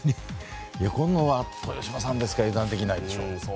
今度は豊島さんですから油断できないでしょう。